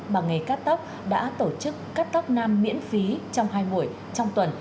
bằng nghề cắt tóc đã tổ chức cắt tóc nam miễn phí trong hai buổi trong tuần